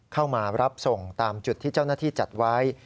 เข้ามารับส่งตามจุดที่เจ้าหน้าที่จัดไว้